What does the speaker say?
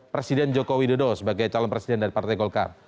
presiden joko widodo sebagai calon presiden dari partai golkar